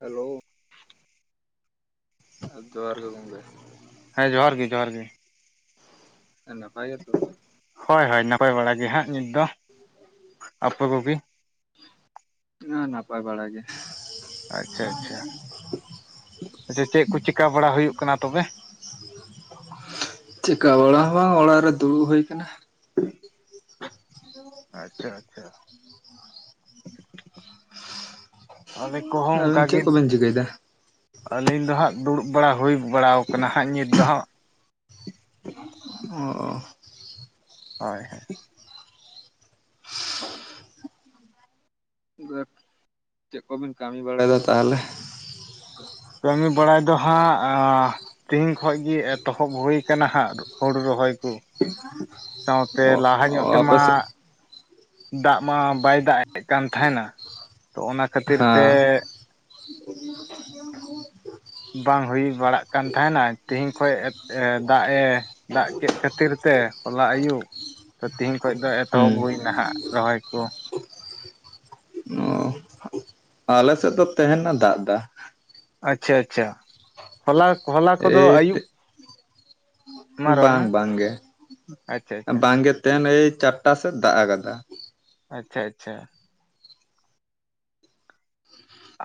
Hello ᱡᱚᱦᱟᱨ ᱜᱮ ᱜᱚᱝᱠᱮ ᱦᱮᱸ ᱡᱚᱦᱟᱨ ᱜᱮ ᱡᱚᱦᱟᱨ ᱜᱮ ᱱᱟᱯᱟᱭ ᱜᱮᱛᱚ ᱦᱚᱭ ᱦᱚᱭ ᱱᱟᱯᱟᱭ ᱵᱟᱲᱟ ᱜᱮ ᱦᱟᱸᱜ ᱱᱤᱛ ᱫᱚ ᱟᱯᱮ ᱠᱚᱜᱮ ᱦᱮ ᱱᱟᱯᱟᱭ ᱵᱟᱲᱟ ᱜᱮ ᱟᱪᱪᱷᱟ ᱟᱪᱪᱷᱟ ᱟᱪᱪᱷᱟ ᱪᱮᱫ ᱠᱚ ᱪᱤᱠᱟ ᱵᱟᱲᱟ ᱦᱩᱭᱩᱜ ᱠᱟᱱᱟ ᱛᱚᱵᱮ ᱪᱮᱠᱟ ᱵᱟᱲᱟ ᱦᱚᱸ ᱵᱟᱝ ᱚᱲᱟᱜ ᱨᱮ ᱫᱩᱲᱩᱵ ᱦᱩᱭ ᱠᱟᱱᱟ ᱟᱪᱪᱷᱟ ᱟᱪᱪᱷᱟ ᱟᱞᱮ ᱠᱚᱦᱚᱸ ᱟᱵᱤᱱ ᱪᱮᱫ ᱚᱱᱠᱟᱜᱮ ᱠᱚᱵᱮᱱ ᱪᱤᱠᱟᱹᱭᱫᱟ ᱟᱹᱞᱤᱧ ᱫᱚ ᱦᱟᱸᱜ ᱫᱩᱲᱩᱵ ᱵᱟᱲᱟ ᱦᱩᱭ ᱵᱟᱲᱟ ᱟᱠᱟᱱᱟ ᱦᱟᱸᱜ ᱱᱤᱛ ᱫᱚ ᱦᱟᱸᱜ ᱚ ᱦᱳᱭ ᱦᱳ ᱪᱮᱫ ᱠᱚᱵᱤᱱ ᱠᱟᱹᱢᱤ ᱵᱟᱲᱟᱭᱮᱫᱟ ᱛᱟᱦᱚᱞᱮ ᱠᱟᱹᱢᱤ ᱵᱟᱲᱟᱭ ᱫᱚ ᱦᱟᱸᱜ ᱛᱤᱦᱤᱧ ᱠᱷᱚᱱ ᱜᱮ ᱮᱛᱚᱦᱚᱵ ᱦᱩᱭ ᱟᱠᱟᱱᱟ ᱦᱟᱸᱜ ᱦᱩᱲᱩ ᱨᱚᱦᱚᱭ ᱠᱚ ᱥᱟᱶᱛᱮ ᱚ ᱞᱟᱦᱟ ᱧᱚᱜ ᱟᱯᱮ ᱛᱮᱢᱟ ᱥᱮᱫ ᱫᱟᱜ ᱢᱟ ᱵᱟᱭ ᱫᱟᱜ ᱮᱫ ᱠᱟᱱ ᱛᱟᱦᱮᱱᱟ ᱛᱚ ᱚᱱᱟ ᱠᱷᱟᱹᱛᱤᱨ ᱛᱮ ᱦᱮᱸ [inaudible] ᱵᱟᱝ ᱦᱩᱭ ᱵᱟᱲᱟᱜ ᱠᱟᱱ ᱛᱟᱦᱮᱱᱟ ᱛᱤᱦᱤᱧ ᱠᱷᱚᱱ ᱫᱟᱜᱼ ᱮ ᱫᱟᱜ ᱠᱮᱫ ᱠᱷᱟᱹᱛᱤᱨ ᱛᱮ ᱦᱚᱞᱟ ᱟᱭᱩᱵ ᱛᱚ ᱛᱮᱦᱮᱧ ᱠᱷᱚᱱ ᱫᱚ ᱮᱛᱚᱦᱚᱵ ᱦᱩᱭ ᱦᱩᱸ ᱱᱟ ᱦᱟᱜ ᱨᱚᱦᱚᱭ ᱠᱚ ᱟᱞᱮᱥᱮᱫ ᱫᱚ ᱛᱟᱦᱮᱱᱮ ᱫᱟᱜ ᱫᱟ ᱟᱪᱪᱷᱟ ᱟᱪᱪᱷᱟ ᱦᱚᱞᱟ ᱦᱚᱞᱟ ᱠᱚᱫᱚ ᱮᱭ ᱟᱹᱭᱩᱵ ᱢᱟ ᱨᱚᱲ ᱵᱟᱝ ᱢᱮ ᱵᱟᱝᱜᱮ ᱟᱪᱪᱷᱟ ᱟᱪᱪᱷᱟ ᱵᱟᱝᱜᱮ ᱛᱟᱦᱮᱱ ᱮᱭ ᱪᱟᱨᱴᱟ ᱥᱮᱫ ᱫᱟᱜ ᱠᱟᱫᱟ ᱟᱪᱪᱷᱟ ᱟᱪᱪᱷᱟ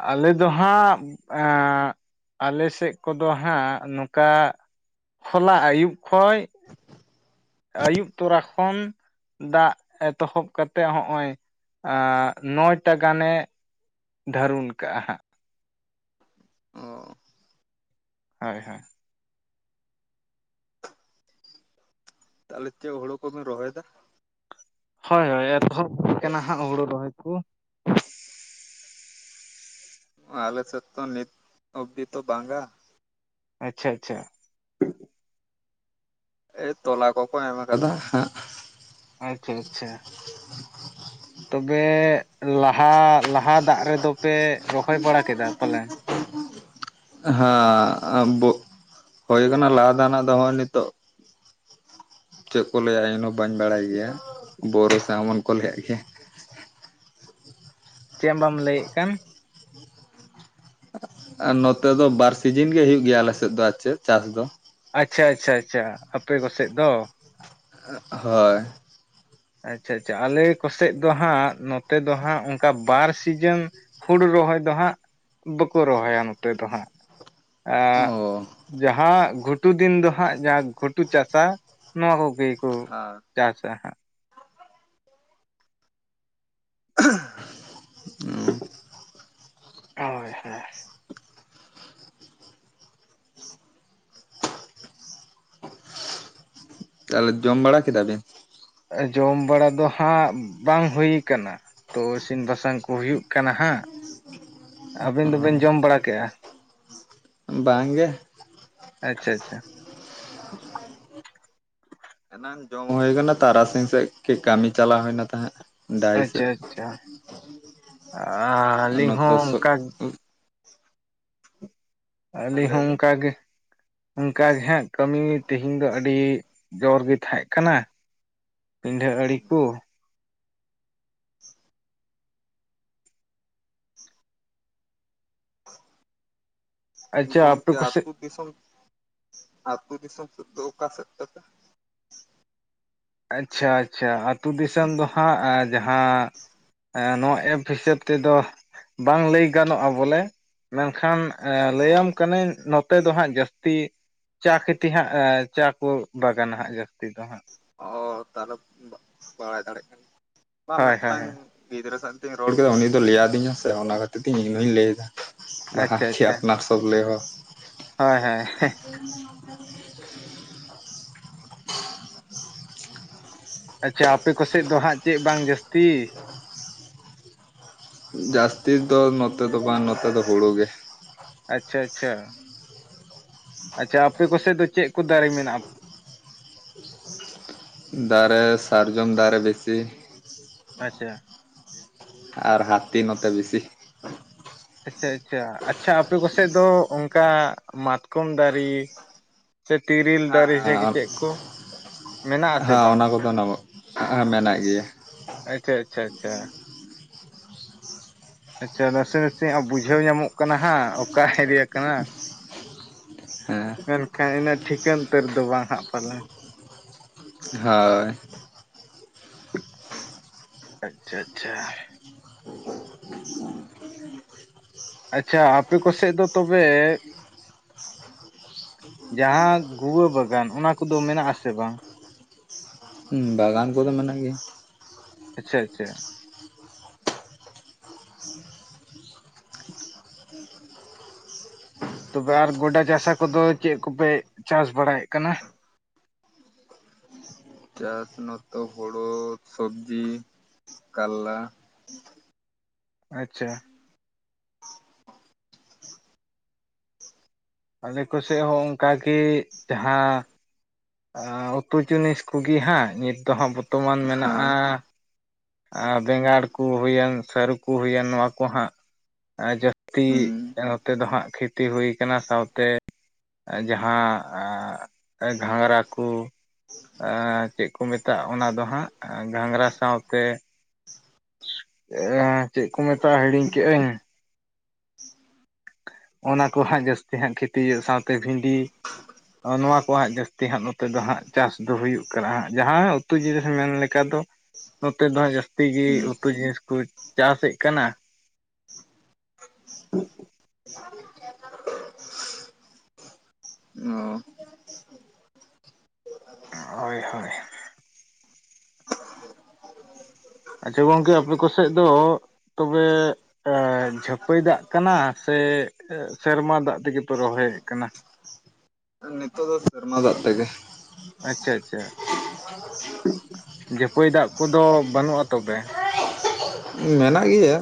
ᱟᱞᱮ ᱫᱚ ᱦᱟᱸᱜ ᱮ ᱟᱞᱮ ᱥᱮᱫ ᱠᱚᱫᱚ ᱦᱟᱸᱜ ᱱᱚᱝᱠᱟ ᱦᱚᱞᱟ ᱟᱹᱭᱩᱵ ᱠᱷᱚᱡ ᱟᱹᱭᱩᱵ ᱛᱚᱨᱟ ᱠᱷᱚᱱ ᱫᱟᱜ ᱮᱛᱚᱦᱚᱵ ᱠᱟᱛᱮᱫ ᱦᱚᱜᱼᱚᱭ ᱱᱚᱭᱴᱟ ᱜᱟᱱᱮ ᱫᱷᱟᱹᱨᱩᱱ ᱠᱟᱜᱼᱟ ᱦᱟᱸᱜ ᱚ ᱦᱳᱭ ᱦᱳᱭ ᱛᱟᱦᱚᱞᱮ ᱪᱮᱫ ᱦᱳᱲᱩ ᱠᱚᱵᱤᱱ ᱨᱚᱦᱚᱭᱮ ᱫᱟ ᱦᱳᱭ ᱦᱳᱭ ᱮᱛᱚᱦᱚᱵ ᱠᱟᱱᱟ ᱦᱟᱸᱜ ᱦᱩᱲᱩ ᱨᱚᱦᱚᱭ ᱠᱚ ᱟᱞᱮ ᱥᱮᱫ ᱫᱚ ᱱᱤᱛ ᱚᱵᱽᱫᱤ ᱛᱚ ᱵᱟᱝᱟ ᱟᱪᱪᱷᱟ ᱟᱪᱪᱷᱟ ᱮ ᱛᱚᱞᱟ ᱠᱚᱠᱚ ᱮᱢ ᱟᱠᱟᱫᱟ ᱦᱟᱸᱜ ᱟᱪᱪᱷᱟ ᱟᱪᱪᱷᱟ ᱛᱚᱵᱮ ᱞᱟᱦᱟ ᱞᱟᱦᱟ ᱫᱟᱜ ᱨᱮᱫᱚ ᱯᱮ ᱨᱚᱦᱚᱭ ᱵᱟᱲᱟ ᱠᱮᱫᱟ ᱛᱟᱦᱚᱞᱮ ᱦᱮᱸ [unintelligible] ᱵ ᱦᱩᱭᱟᱠ ᱞᱟᱦᱟ ᱫᱟᱱᱟᱜ ᱫᱚ ᱦᱚᱜᱚᱭ ᱱᱤᱛᱚᱜ ᱪᱮᱫ ᱠᱚ ᱞᱟᱹᱭᱟ ᱤᱧ ᱦᱚᱸ ᱵᱟᱹᱧ ᱵᱟᱲᱟᱭ ᱜᱮᱭᱟ ᱵᱚᱨᱟ ᱥᱮ ᱟᱢᱚᱱ ᱠᱚ ᱞᱟ. ᱭᱟᱜ ᱜᱮᱭᱟ ᱪᱮᱫ ᱵᱟᱢ ᱞᱟᱹᱭᱮᱫ ᱠᱟᱱ ᱟᱨ ᱱᱚᱛᱮ ᱫᱚ ᱵᱟᱨ ᱥᱤᱡᱤᱱ ᱜᱮ ᱦᱳᱭᱳᱜ ᱜᱮᱭᱟ ᱟᱞᱮᱥᱮᱫ ᱫᱚ ᱟᱨ ᱪᱮᱫ ᱪᱟᱥ ᱫᱚ ᱟᱪᱪᱷᱟ ᱟᱪᱪᱷᱟ ᱟᱪᱪᱷᱟ ᱟᱯᱮ ᱠᱚᱥᱮᱫ ᱫᱚ ᱦᱳᱭ ᱟᱪᱪᱷᱟ ᱟᱪᱪᱷᱟ ᱟᱞᱮ ᱠᱚᱥᱮᱡ ᱫᱚ ᱦᱟᱸᱜ ᱱᱚᱛᱮ ᱫᱚ ᱦᱟᱸᱜ ᱚᱱᱠᱟ ᱵᱟᱨ ᱥᱤᱡᱤᱱ ᱦᱩᱲᱩ ᱨᱚᱦᱚᱭ ᱫᱚ ᱦᱟᱸᱜ ᱵᱟᱠᱚ ᱨᱚᱦᱚᱭᱟ ᱱᱚᱛᱮ ᱫᱚ ᱦᱟᱸᱜ ᱮ ᱚ ᱡᱟᱦᱟᱸ ᱜᱷᱩᱴᱩ ᱫᱤᱱ ᱫᱚ ᱦᱟᱸᱜ ᱡ ᱜᱷᱩᱴᱩ ᱪᱟᱥᱟ ᱱᱚᱣᱟ ᱠᱚᱜᱮ ᱠᱚ ᱪᱟᱥᱟ ᱦᱟᱜ ᱦᱳᱭ ᱦᱳᱭ ᱛᱟᱦᱚᱞᱮ ᱡᱚᱢ ᱵᱟᱲᱟ ᱠᱮᱫᱟ ᱵᱤᱱ ᱡᱚᱢ ᱵᱟᱲᱟ ᱫᱚ ᱦᱟᱸᱜ ᱵᱟᱝ ᱦᱩᱭ ᱟᱠᱟᱱᱟ ᱛᱚ ᱤᱥᱤᱱ ᱵᱟᱥᱟᱝ ᱠᱩ ᱦᱩᱭᱩᱜ ᱠᱟᱱᱟ ᱦᱟᱸᱜ ᱟᱹᱵᱤᱱ ᱫᱚᱵᱤᱱ ᱡᱚᱢ ᱵᱟᱲᱟ ᱠᱮᱜᱼᱟ ᱵᱟᱝ ᱜᱮ ᱟᱪᱪᱷᱟ ᱟᱪᱪᱷᱟ ᱮᱱᱟᱝ ᱡᱚᱢ ᱦᱩᱭ ᱟᱠᱟᱱᱟ ᱛᱟᱨᱟᱥᱤᱧ ᱥᱮᱫ ᱠᱟᱹᱡ ᱠᱟᱹᱢᱤ ᱪᱟᱞᱟᱣ ᱦᱩᱭᱱᱟ ᱛᱟᱦᱮᱸᱫ ᱰᱟᱦᱤ ᱟᱪᱪᱷᱟ ᱥᱮᱫ ᱟᱪᱪᱷᱟ ᱟᱹᱞᱤᱧ ᱦᱚᱸ ᱱᱚᱛᱮ ᱚᱱᱠᱟ ᱟᱞᱮ ᱞᱟᱹᱭ ᱦᱚᱸ ᱵᱤᱱ ᱚᱱᱠᱟᱜᱮ ᱚᱱᱠᱟ ᱜᱮ ᱦᱟᱸᱜ ᱠᱟᱹᱢᱤ ᱛᱮᱦᱮᱧ ᱫᱚ ᱟᱹᱰᱤ ᱡᱳᱨ ᱜᱮ ᱛᱟᱦᱮᱸ ᱠᱟᱱᱟ ᱯᱤᱸᱰᱷᱟᱹ ᱟᱲᱤᱠ ᱠᱚ ᱟᱪᱪᱷᱟ ᱟᱯᱮ ᱜᱚᱝᱠᱮ ᱠᱚᱥᱮᱫ ᱟᱛᱳ ᱫᱤᱥᱚᱢ ᱟᱛᱳ ᱫᱤᱥᱚᱢ ᱥᱮᱫ ᱫᱚ ᱚᱠᱟ ᱥᱮᱫ ᱛᱟᱯᱮ ᱟᱪᱪᱷᱟ ᱟᱪᱪᱷᱟ ᱟᱛᱩ ᱫᱤᱥᱚᱢ ᱫᱚ ᱦᱟᱸᱜ ᱡᱟᱦᱟᱸ ᱱᱚᱣᱟ ᱮᱯ ᱦᱤᱥᱟᱹᱵᱽ ᱛᱮᱫᱚ ᱵᱟᱝ ᱞᱟᱹᱭ ᱜᱟᱱᱚᱜᱼᱟ ᱵᱚᱞᱮ ᱢᱮᱱᱠᱷᱟᱱ ᱚ ᱞᱟᱹᱭᱟᱢ ᱠᱟᱹᱱᱟᱹᱧ ᱱᱚᱛᱮ ᱫᱚ ᱦᱟᱸᱜ ᱡᱟᱹᱥᱛᱤ ᱪᱟ ᱠᱷᱤᱛ ᱦᱟᱸᱜ ᱪᱟ ᱠᱚ ᱵᱟᱜᱟᱱ ᱦᱟᱜ ᱡᱟᱹᱥᱛᱤ ᱫᱚ ᱦᱟᱸᱜ ᱚ ᱛᱟᱦᱚᱞᱮ ᱵᱟᱲᱟᱭ ᱫᱟᱲᱮᱜ ᱠᱟᱱᱟ ᱵᱟ ᱦᱳᱭ ᱦᱳᱭ ᱢᱤᱫᱴᱟᱝ ᱦᱳᱭ ᱜᱤᱫᱽᱨᱟᱹ ᱥᱟᱶᱛᱤᱧ ᱨᱚᱲ ᱠᱮᱫᱟ ᱩᱱᱤ ᱫᱚᱭ ᱞᱟᱹᱭ ᱟᱹᱫᱤᱧᱟ ᱥᱮ ᱚᱱᱟ ᱠᱷᱟᱹᱛᱤᱨ ᱛᱮ ᱤᱧ ᱦᱚᱸᱧ ᱞᱟᱹᱭ ᱵᱟᱦᱟᱛ ᱟᱪᱪᱷᱟ ᱠᱷᱮ ᱟᱪᱪᱷᱟ ᱟᱯᱱᱟ ᱥᱚᱵᱽ ᱞᱮ ᱟᱭ ᱦᱚᱸ ᱦᱳᱭ ᱦᱳᱭ [unintelligible] ᱟᱪᱪᱷᱟ ᱟᱯᱮ ᱠᱚᱥᱮᱫ ᱫᱚ ᱦᱟᱸᱜ ᱪᱮᱫ ᱵᱟᱝ ᱡᱟᱹᱥᱛᱤ ᱡᱟᱹᱥᱛᱤ ᱫᱚ ᱱᱚᱛᱮ ᱫᱚ ᱵᱟᱝ ᱱᱚᱛᱮ ᱫᱚ ᱦᱩᱲᱩ ᱜᱮ ᱟᱪᱪᱷᱟ ᱟᱪᱪᱷᱟ ᱟᱪᱪᱷᱟ ᱟᱯᱮ ᱠᱚᱥᱮᱫ ᱫᱚ ᱪᱮᱫ ᱠᱚ ᱫᱟᱨᱮ ᱢᱮᱱᱟᱜᱼᱟ ᱫᱟᱨᱮ ᱥᱟᱨᱡᱚᱢ ᱫᱟᱨᱮ ᱵᱮᱥᱤ ᱟᱪᱪᱷᱟ ᱟᱨ ᱦᱟᱛᱤ ᱢᱟᱛᱚ ᱵᱮᱥᱤ ᱟᱪᱷᱟ ᱟᱪᱷᱟ ᱟᱪᱪᱷᱟ ᱟᱯᱮ ᱠᱚᱥᱮᱫ ᱫᱚ ᱚᱱᱠᱟ ᱢᱟᱛᱠᱚᱢ ᱫᱟᱨᱮ ᱥᱮ ᱛᱮᱨᱮᱞ ᱦᱮᱸ ᱫᱟᱨᱮ ᱥᱮ ᱦᱮᱸ ᱪᱮᱫ ᱠᱚ ᱢᱮᱱᱟᱜ ᱟᱥᱮ ᱦᱮᱸ ᱵᱟᱝ ᱚᱱᱟ ᱠᱚᱫᱚ ᱱᱟᱢᱚᱜ ᱢᱮᱱᱟᱜ ᱜᱮᱭᱟ ᱟᱪᱪᱷᱟ ᱟᱪᱪᱷᱟ ᱟᱪᱪᱷᱟ ᱟᱪᱪᱷᱟ ᱱᱟᱥᱮ ᱱᱟᱥᱮ ᱵᱩᱡᱷᱟᱹᱣ ᱧᱟᱢᱚᱜ ᱠᱟᱱᱟ ᱦᱟᱸᱜ, ᱚᱠᱟ ᱮᱨᱤᱭᱟ ᱠᱟᱱᱟ᱾ ᱦᱮᱸ ᱢᱮᱱᱠᱷᱟᱱ ᱤᱱᱟᱹᱜ ᱴᱷᱤᱠᱟᱹᱱ ᱩᱛᱟᱹᱨ ᱫᱚ ᱵᱟ ᱱᱷᱟᱜ ᱯᱟᱞᱮ᱾ ᱦᱳᱭ᱾ ᱟᱪᱪᱷᱟ ᱟᱪᱪᱷᱟ᱾ ᱟᱪᱪᱷᱟ ᱟᱯᱮ ᱠᱚᱥᱮᱫ ᱫᱚ ᱛᱚᱵᱮ ᱡᱟᱦᱟᱸ ᱜᱩᱲ ᱵᱟᱜᱟᱱ ᱚᱱᱟ ᱠᱚᱫᱚ ᱢᱮᱱᱟᱜ ᱟᱥᱮ ᱵᱟᱝ? ᱦᱩᱸ ᱵᱟᱜᱟᱱ ᱠᱚᱫᱚ ᱢᱮᱱᱟᱜ ᱜᱮᱭᱟ᱾ ᱟᱪᱪᱷᱟ ᱟᱪᱪᱷᱟ᱾ ᱛᱚᱵᱮ ᱟᱨ ᱜᱚᱰᱟ ᱪᱟᱥᱟ ᱠᱚᱫᱚ ᱪᱮᱫ ᱠᱚᱯᱮ ᱪᱟᱥ ᱵᱟᱲᱟᱭᱮᱫ ᱠᱟᱱᱟ ᱪᱟᱥ ᱱᱚᱛᱮ ᱦᱳᱲᱩ ᱥᱚᱵᱽᱡᱤ ᱠᱟᱞᱞᱟ ᱟᱪᱪᱷᱟ ᱟᱞᱮ ᱠᱚ ᱥᱮᱫ ᱦᱚᱸ ᱚᱱᱠᱟᱜᱮ ᱡᱟᱦᱟᱸ ᱩᱛᱩ ᱡᱤᱱᱤᱥ ᱠᱚᱜᱮ ᱦᱟᱸᱜ ᱱᱤᱛ ᱫᱚ ᱦᱟᱸᱜ ᱵᱚᱨᱛᱚᱢᱟᱱ ᱢᱮᱱᱟᱜᱼᱟ ᱟᱨ ᱵᱮᱸᱜᱟᱲ ᱠᱚ ᱦᱩᱭᱮᱱ ᱥᱟᱹᱨᱩ ᱠᱚ ᱦᱩᱭᱮᱱ ᱱᱚᱣᱟ ᱠᱚ ᱦᱟᱸᱜ ᱡᱟᱹᱥᱛᱤ ᱦᱮᱸ ᱱᱚᱛᱮ ᱫᱚ ᱦᱟᱸᱜ ᱠᱷᱮᱛᱤ ᱦᱩᱭ ᱟᱠᱟᱱᱟ ᱥᱟᱶᱛᱮ ᱡᱟᱦᱟᱸ [inaudible] ᱜᱷᱟᱝᱨᱟ ᱠᱚ᱾ ᱪᱮᱫ ᱠᱚ ᱢᱮᱛᱟᱜᱼᱟ ᱚᱱᱟ ᱫᱚ ᱦᱟᱸᱜ ᱜᱷᱟᱝᱨᱟ ᱥᱟᱶᱛᱮ ᱮ ᱪᱮᱫ ᱠᱚ ᱢᱮᱛᱟᱜᱼᱟ ᱦᱤᱲᱤᱧ ᱠᱮᱫ-ᱟᱹᱧ᱾ ᱚᱱᱟ ᱠᱚ ᱦᱟᱸᱜ ᱡᱟᱹᱥᱛᱤ ᱦᱟᱸᱜ ᱠᱷᱮᱛᱤ ᱦᱩᱭᱩᱜ-ᱟ ᱥᱟᱶᱛᱮ ᱵᱷᱤᱸᱰᱤ ᱱᱚᱶᱟ ᱠᱚ ᱦᱟᱸᱜ ᱡᱟᱹᱥᱛᱤ ᱦᱟᱸᱜ ᱱᱚᱛᱮ ᱫᱚ ᱦᱟᱸᱜ ᱪᱟᱥ ᱫᱚ ᱦᱩᱭᱩᱜ ᱠᱟᱱᱟ ᱦᱟᱸᱜ᱾ ᱡᱟᱦᱟᱸ ᱩᱛᱩ ᱡᱤᱱᱤᱥ ᱢᱮᱱ ᱞᱮᱠᱟ ᱫᱚ ᱱᱚᱛᱮ ᱫᱚ ᱱᱷᱟᱜ ᱡᱟᱹᱥᱛᱤ ᱜᱤ ᱦᱩᱸ ᱩᱛᱩ ᱡᱤᱱᱤᱥ ᱠᱚ ᱪᱟᱥᱮᱫ ᱠᱟᱱᱟ᱾ [inaudible] [unintelligible] ᱦᱳᱭ ᱦᱳᱭ᱾ ᱟᱪᱪᱷᱟ ᱜᱚᱝᱠᱮ ᱟᱯᱮ ᱠᱚ ᱥᱮᱫ ᱫᱚ ᱛᱚᱵᱮ ᱟᱺᱻ ᱡᱷᱟᱹᱯᱟᱹᱭ ᱫᱟᱜ ᱠᱟᱱᱟ ᱥᱮ ᱥᱮᱨᱢᱟ ᱫᱟᱜ ᱛᱮᱜᱮ ᱯᱮ ᱨᱚᱦᱚᱭᱮᱫ ᱠᱟᱱᱟ? ᱱᱤᱛᱚ [unintelligible] ᱥᱮᱨᱢᱟ ᱫᱟᱜ ᱛᱮᱜᱮ᱾ ᱟᱪᱪᱷᱟ ᱟᱪᱪᱷᱟ᱾ ᱡᱷᱟᱹᱯᱟᱹᱭ ᱫᱟᱜ ᱠᱚᱫᱚ ᱵᱟᱹᱱᱩᱜᱼᱟ ᱛᱚᱵᱮ? ᱦᱩᱸ ᱢᱮᱱᱟᱜ ᱜᱮᱭᱟ᱾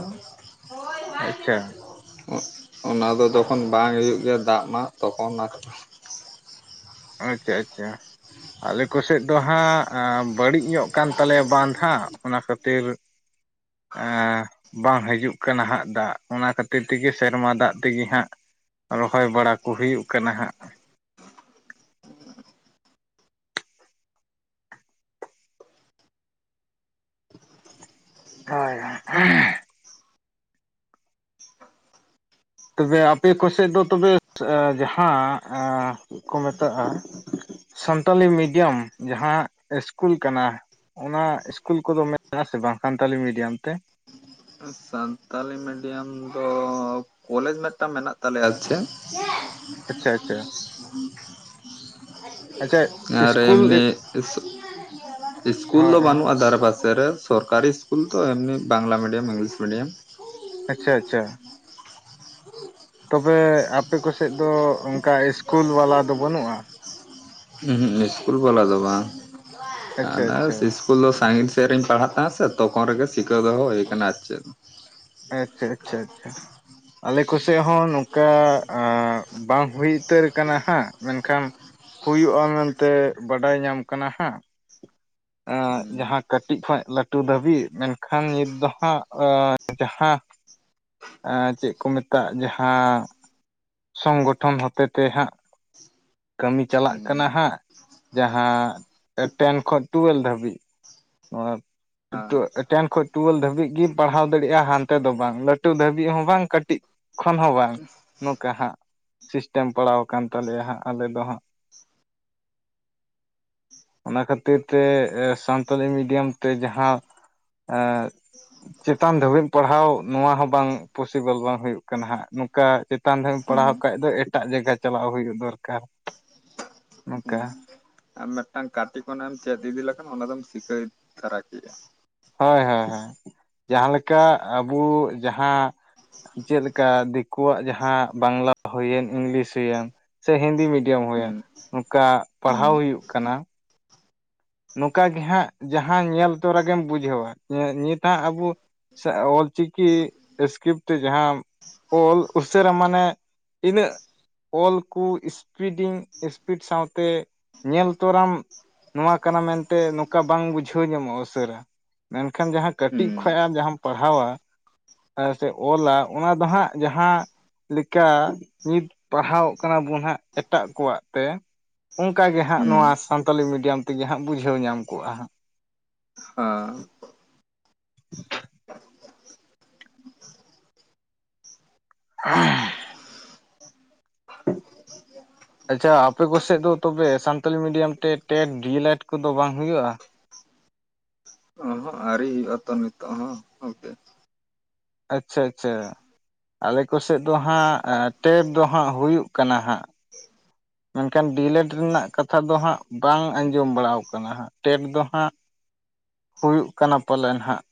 ᱟᱪᱪᱷᱟ᱾ ᱚᱱᱟ ᱫᱚ ᱛᱚᱠᱷᱚᱱ ᱵᱟᱝ ᱦᱩᱭᱩᱜ ᱜᱮᱭᱟ᱾ ᱫᱟᱜ ᱢᱟ ᱛᱚᱠᱷᱚᱱ [unintelligible] ᱟᱪᱪᱷᱟ ᱟᱪᱪᱷᱟ᱾ ᱟᱞᱮ ᱠᱚᱥᱮᱫ ᱫᱚ ᱦᱟᱸᱜ, ᱟ ᱵᱟᱹᱲᱤᱡ ᱧᱚᱜ ᱟᱠᱟᱱ ᱛᱟᱞᱮᱭᱟ ᱵᱟᱸᱫᱷ ᱦᱟᱸᱜ, ᱚᱱᱟ ᱠᱷᱟᱹᱛᱤᱨ [inaudible] ᱟ ᱵᱟᱝ ᱦᱤᱡᱩᱜ ᱠᱟᱱᱟ ᱦᱟᱸᱜ ᱫᱟᱜ᱾ ᱚᱱᱟ ᱠᱷᱟᱹᱛᱤᱨ ᱛᱮᱜᱮ ᱥᱮᱨᱢᱟ ᱫᱟᱜ ᱛᱮᱜᱮ ᱦᱟᱸᱜ ᱨᱚᱦᱚᱭ ᱵᱟᱲᱟ ᱠᱚ ᱦᱩᱭᱩᱜ ᱠᱟᱱᱟ ᱦᱟᱸᱜ᱾ ᱦᱳᱭ᱾ [unintelligible] ᱛᱚᱵᱮ ᱟᱯᱮ ᱠᱚ ᱥᱮᱫ ᱫᱚ ᱛᱚᱵᱮ ᱟ ᱡᱟᱦᱟᱸ ᱟᱻ ᱪᱮᱫ ᱠᱚ ᱢᱮᱛᱟᱜᱼᱟ᱾ ᱥᱟᱱᱛᱟᱞᱤ ᱢᱤᱰᱤᱭᱟᱢ ᱡᱟᱦᱟᱸ ᱤᱥᱠᱩᱞ ᱠᱟᱱᱟ᱾ ᱚᱱᱟ ᱤᱥᱠᱩᱞ ᱠᱚᱫᱚ ᱢᱮᱱᱟᱜ ᱟᱥᱮ ᱵᱟᱝ ᱥᱟᱱᱛᱟᱞᱤ ᱢᱤᱰᱤᱭᱟᱢ ᱛᱮ? ᱥᱟᱱᱛᱟᱞᱤ ᱢᱤᱰᱤᱭᱟᱢ ᱫᱚ ᱢᱤᱢᱤᱫᱴᱟᱝ ᱢᱮᱱᱟᱜ ᱛᱟᱞᱮᱭᱟ ᱪᱮᱫ? ᱪᱮᱫ? ᱟᱪᱪᱷᱟ ᱟᱪᱪᱷᱟ᱾ ᱟᱪᱪᱷᱟ ᱟᱨ ᱤᱥᱠᱩᱞ ᱮᱢᱱᱤ ᱤᱥᱠᱩᱞ ᱦᱳᱭ ᱫᱚ ᱦᱳᱭ ᱵᱟᱹᱱᱩᱜᱼᱟ ᱫᱷᱟᱨ ᱯᱟᱥᱮ ᱨᱮ᱾ ᱥᱚᱨᱠᱟᱨᱤ ᱤᱥᱠᱩᱞ ᱛᱚ ᱮᱢᱱᱤ ᱵᱟᱝᱞᱟ ᱢᱤᱰᱤᱭᱟᱹᱢ ᱤᱝᱞᱤᱥ ᱢᱤᱰᱤᱭᱟᱹᱢ᱾ ᱟᱪᱪᱷᱟ ᱟᱪᱪᱷᱟ᱾ [inaudible] ᱛᱚᱵᱮ ᱟᱯᱮ ᱠᱚᱥᱮᱫ ᱫᱚ ᱚᱱᱠᱟ ᱤᱥᱠᱩᱞ ᱵᱟᱞᱟ ᱫᱚ ᱵᱟᱹᱱᱩᱜᱼᱟ? ᱩᱦᱩᱜ ᱤᱥᱠᱩᱞ ᱵᱟᱞᱟ ᱫᱚ ᱵᱟᱝ ᱟᱪᱪᱷᱟ ᱟᱪᱪᱷᱟ [inaudible] ᱥᱠᱩᱞ ᱫᱚ ᱥᱟᱺᱜᱤᱧ ᱥᱮᱫ ᱨᱮᱤᱧ ᱯᱟᱲᱦᱟᱜ ᱛᱟᱦᱮᱸ ᱥᱮ ᱛᱚᱠᱷᱚᱱ ᱨᱮᱜᱮ ᱥᱤᱠᱟᱹᱣ ᱫᱚᱦᱚ ᱦᱩᱭ ᱟᱠᱟᱱᱟ ᱟᱨ ᱪᱮᱫ᱾ ᱟᱪᱪᱷᱟ ᱟᱪᱪᱷᱟ ᱟᱪᱷᱟ ᱟᱞᱮ ᱠᱚᱥᱮᱫ ᱦᱚᱸ ᱱᱚᱝᱠᱟ ᱟᱜ ᱵᱟᱝ ᱦᱩᱭ ᱩᱛᱟᱹᱨ ᱠᱟᱱᱟ ᱦᱟᱸᱜ ᱢᱮᱱᱠᱷᱟᱱ ᱦᱩᱭᱩᱜᱼᱟ ᱢᱮᱱᱛᱮ ᱵᱟᱰᱟᱭ ᱧᱟᱢ ᱠᱟᱱᱟ ᱦᱟᱜ᱾ ᱮᱸᱜ ᱦᱩᱸ ᱡᱟᱦᱟᱸ ᱠᱟᱹᱴᱤᱡ ᱠᱷᱚᱱ ᱞᱟᱹᱴᱩ ᱫᱷᱟᱹᱵᱤᱡ ᱢᱮᱱᱠᱷᱟᱱ ᱱᱤᱛ ᱫᱚ ᱦᱟᱸᱜ ᱮᱸᱻ ᱡᱟᱦᱟᱸ ᱪᱮᱫ ᱠᱚ ᱢᱮᱛᱟᱜ ᱡᱟᱦᱟᱸ ᱥᱚᱝᱜᱚᱴᱷᱚᱱ ᱦᱚᱛᱮ ᱛᱮ ᱦᱟᱸᱜ, ᱠᱟᱹᱢᱤ ᱪᱟᱞᱟᱜ ᱦᱩᱸ ᱠᱟᱱᱟ ᱦᱟᱸᱜ᱾ ᱡᱟᱦᱟᱸ ᱴᱮᱱ ᱠᱷᱚᱡ ᱴᱩᱣᱮᱞ ᱫᱷᱟᱹᱵᱤᱡ᱾ ᱦᱟᱸ ᱛᱚ ᱴᱮᱱ ᱠᱷᱚᱡ ᱴᱩᱣᱮᱞ ᱫᱷᱟᱹᱵᱤᱡ ᱜᱤ ᱯᱟᱲᱦᱟᱣ ᱫᱟᱲᱮᱭᱟᱜᱼᱟ ᱦᱟᱱᱛᱮ ᱫᱚ ᱵᱟᱝ᱾ ᱞᱟᱹᱴᱩ ᱫᱷᱟᱹᱵᱤᱡ ᱦᱚᱸ ᱵᱟᱝ᱾ ᱠᱟᱹᱴᱤᱡ ᱠᱷᱚᱱ ᱦᱚᱸ ᱵᱟᱝ᱾ ᱚᱱᱠᱟ ᱦᱟᱸᱜ, ᱥᱤᱥᱴᱮᱢ ᱯᱟᱲᱟᱣ ᱟᱠᱟᱱ ᱛᱟᱞᱮᱭᱟ ᱦᱟᱸᱜ, ᱟᱞᱮ ᱫᱚ ᱦᱟᱸᱜ᱾ [inaudible] ᱚᱱᱟ ᱠᱷᱟᱹᱛᱤᱨ ᱛᱮ ᱮ ᱥᱟᱱᱛᱟᱞᱤ ᱢᱤᱰᱤᱭᱟᱢ ᱛᱮ ᱡᱟᱦᱟᱸ ᱟ ᱪᱮᱛᱟᱱ ᱫᱷᱟᱹᱵᱤᱡ ᱯᱟᱲᱦᱟᱣ ᱱᱚᱣᱟ ᱦᱚᱸ ᱵᱟᱝ, ᱯᱚᱥᱤᱵᱟᱹᱞ ᱵᱟᱝ ᱦᱩᱭᱩᱜ ᱠᱟᱱᱟ ᱦᱟᱸᱜ᱾ ᱱᱚᱝᱠᱟ ᱪᱮᱛᱟᱱ ᱫᱷᱟᱵᱤᱡ ᱮᱢ ᱦᱩᱸ ᱯᱟᱲᱦᱟᱣ ᱠᱷᱟᱱ ᱫᱚ ᱮᱴᱟᱜ ᱡᱟᱭᱜᱟ ᱪᱟᱞᱟᱣ ᱦᱩᱭᱩᱜ ᱫᱚᱨᱠᱟᱨ, ᱱᱚᱛᱮ ᱦᱩᱸ ᱟᱢ ᱢᱤᱫᱴᱟᱝ ᱠᱟᱹᱴᱤᱠ ᱠᱷᱚᱱᱟᱜ ᱮᱢ ᱪᱮᱫ ᱤᱫᱤ ᱞᱮᱠᱷᱟᱱ ᱚᱱᱟ ᱫᱚᱢ ᱪᱤᱠᱟᱹᱭ ᱛᱟᱨᱟ ᱠᱮᱭᱟ᱾ ᱦᱳᱭ ᱦᱳᱭ ᱦᱳᱭ ᱡᱟᱦᱟ ᱞᱮᱠᱟ ᱟᱵᱚ ᱡᱟᱦᱟ ᱪᱮᱫᱠᱟ ᱫᱤᱠᱩᱣᱟᱜ ᱡᱟᱦᱟᱸ ᱵᱟᱝᱞᱟ ᱦᱩᱭᱮᱱ ᱤᱝᱞᱤᱥ ᱦᱩᱭᱮᱱ ᱥᱮ ᱦᱤᱱᱫᱤ ᱢᱤᱰᱤᱭᱟᱢ ᱦᱩᱸ ᱦᱩᱭᱮᱱ ᱱᱚᱝᱠᱟ ᱦᱩᱸ ᱯᱟᱲᱦᱟᱣ ᱦᱩᱭᱩᱜ ᱠᱟᱱᱟ᱾ ᱱᱚᱝᱠᱟ ᱜᱮ ᱦᱟᱸᱜ ᱡᱟᱦᱟᱸ ᱧᱮᱞ ᱛᱚᱨᱟ ᱜᱮᱢ ᱵᱩᱡᱷᱟᱹᱣᱟ, ᱱᱤᱛ ᱦᱟᱸᱜ ᱟᱵᱚ ᱥᱮ ᱚᱞᱪᱤᱠᱤ ᱥᱤᱥᱠᱨᱤᱯᱴ ᱛᱮ ᱡᱟᱦᱟᱸ ᱚᱞ ᱩᱥᱟᱨᱟ ᱢᱟᱱᱮ ᱤᱱᱟᱹᱜ ᱚᱞ ᱠᱚ ᱤᱥᱯᱤᱰᱤᱝ ᱤᱥᱯᱤᱰ ᱥᱟᱶᱛᱮ ᱧᱮᱞ ᱛᱚᱨᱟᱢ ᱱᱚᱣᱟ ᱠᱟᱱᱟ ᱢᱮᱱᱛᱮ ᱱᱚᱝᱠᱟ ᱵᱟᱝ ᱵᱩᱡᱷᱟᱹᱣ ᱧᱟᱢᱚᱜᱼᱟ ᱩᱥᱟᱹᱨᱟ᱾ ᱢᱮᱱᱠᱷᱟᱱ ᱡᱟᱦᱟᱸ ᱦᱩᱸ ᱠᱟᱹᱴᱤᱡ ᱠᱷᱚᱱ ᱟᱢ ᱡᱟᱦᱟᱸᱟᱢ ᱯᱟᱲᱦᱟᱣᱟ, ᱥᱮ ᱚᱞᱟ ᱚᱱᱟ ᱫᱚ ᱦᱟᱸᱜ ᱡᱟᱦᱟᱸ ᱞᱮᱠᱟ ᱱᱤᱛ ᱯᱟᱲᱦᱟᱣᱚᱜ ᱠᱟᱱᱟ ᱵᱚᱱ ᱦᱟᱸᱜ ᱮᱴᱟᱜ ᱠᱚᱣᱟᱜ ᱛᱮ, ᱚᱱᱠᱟ ᱜᱮ ᱦᱟᱸᱜ ᱦᱩᱸ ᱱᱚᱣᱟ ᱥᱟᱱᱛᱟᱞᱤ ᱢᱤᱰᱤᱭᱟᱢ ᱛᱮᱜᱮ ᱦᱟᱸᱜ ᱵᱩᱡᱷᱟᱹᱣ ᱧᱟᱢ ᱠᱚᱜᱼᱟ ᱦᱟᱸᱜ᱾ ᱦᱚᱸ [inaudible] [unintelligible] ᱟᱪᱪᱷᱟ ᱟᱯᱮ ᱠᱚᱥᱮᱫ ᱫᱚ ᱛᱚᱵᱮ ᱥᱟᱱᱛᱟᱞᱤ ᱢᱤᱰᱤᱭᱟᱢ ᱛᱮ ᱴᱮᱮᱴ ᱰᱤᱭᱮ ᱞᱮᱰ ᱠᱚᱫᱚ ᱵᱟᱝ ᱦᱩᱭᱩᱜᱭᱼᱟ? ᱚᱸᱦᱚᱜ ᱟᱣᱨᱤ ᱦᱩᱭᱩᱜ ᱟᱛᱚ ᱱᱤᱛᱚᱜ ᱦᱚᱸ᱾ ᱜᱚᱝᱠᱮ ᱟᱪᱪᱷᱟ, ᱟᱪᱪᱷᱟ᱾ ᱟᱞᱮ ᱠᱚᱥᱮᱫ ᱫᱚ ᱦᱟᱸᱜ ᱴᱮᱰ ᱫᱚ ᱦᱟᱸᱜ ᱦᱩᱭᱩᱜ ᱠᱟᱱᱟ ᱦᱟᱸᱜ᱾ [inaudible] ᱢᱮᱱᱠᱷᱟᱱ ᱰᱤᱞᱮᱰ ᱨᱮᱱᱟᱜ ᱠᱟᱛᱷᱟ ᱫᱚ ᱦᱟᱸᱜ ᱵᱟᱝ ᱟᱸᱡᱚᱢ ᱵᱟᱲᱟ ᱟᱠᱟᱱᱟ ᱦᱟᱸᱜ ᱴᱮᱰ ᱫᱚ ᱦᱟᱸᱜ ᱦᱩᱭᱩᱜ ᱠᱟᱱᱟ ᱯᱟᱞᱮ ᱦᱟᱸᱜ,